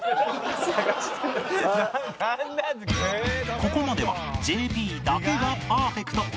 ここまでは ＪＰ だけがパーフェクト